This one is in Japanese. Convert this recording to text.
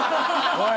おい！